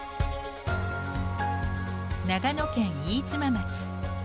長野県飯島町。